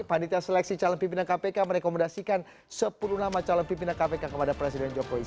panitia seleksi calon pimpinan kpk merekomendasikan sepuluh nama calon pimpinan kpk kepada presiden jokowi